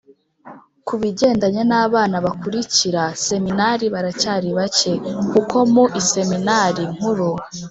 ku bigendanye n’abana bakurikira seminari baracyari bake, kuko mu i seminari nkuru